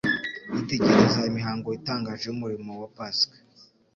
Yitegereza imihango itangaje y'umurimo wa Pasika.